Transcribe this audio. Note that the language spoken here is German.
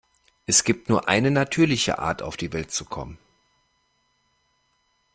Es gibt nur eine natürliche Art, auf die Welt zu kommen.